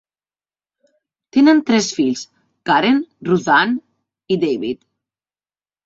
Tenen tres fills: Karen, Ruth Anne i David.